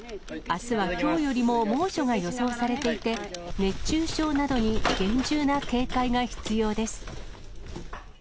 あすはきょうよりも猛暑が予想されていて、熱中症などに厳重な警戒が必要です。